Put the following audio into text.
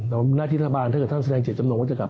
แล้วหน้าทิศบาลถ้าเกิดท่านแสดงเฉียดจำนวนว่าจะกลับ